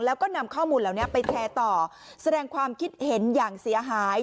แล้วก็นำข้อมูลเหล่านี้ไปแชร์ต่อแสดงความคิดเห็นอย่างเสียหาย